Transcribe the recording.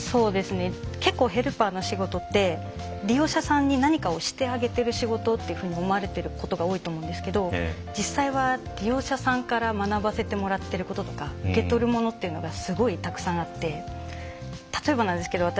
結構ヘルパーの仕事って利用者さんに何かをしてあげてる仕事っていうふうに思われてることが多いと思うんですけど実際は利用者さんから学ばせてもらってることとか受け取るものっていうのがすごいたくさんあって例えばなんですけど私